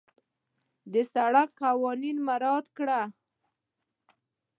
د سړک قوانين مراعت کړه.